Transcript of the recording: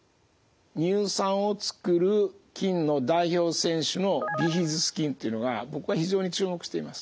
乳酸を作る菌の代表選手のビフィズス菌っていうのが僕は非常に注目しています。